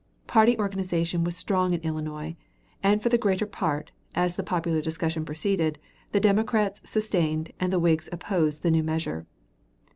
Party organization was strong in Illinois, and for the greater part, as the popular discussion proceeded, the Democrats sustained and the Whigs opposed the new measure.